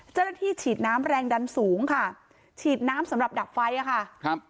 ฉีดน้ำแรงดันสูงค่ะฉีดน้ำสำหรับดับไฟอ่ะค่ะครับ